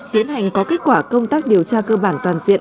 tiến hành có kết quả công tác điều tra cơ bản toàn diện